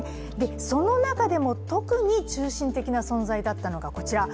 その中でも特に中心的な存在だったのがこちら。